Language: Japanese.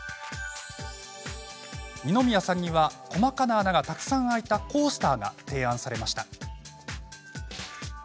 二宮さんには細かな穴がたくさん開いたコースターが提案されました。